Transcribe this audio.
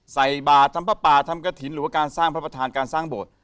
ใส่บาททำพระป่าทำกระถิ่นหรือว่าการสร้างพระประธานการสร้างโบสถ์